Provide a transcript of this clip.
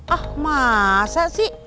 ah masa sih